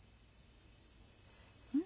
うん。